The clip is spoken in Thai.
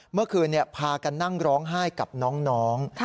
เมื่อคืนพากันนั่งร้องไห้กับน้อง